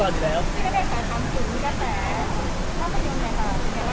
ทำสินแล้วแต่